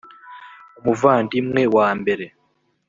umuvandimwe wa mbere